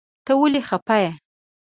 ته ولی خپه یی ؟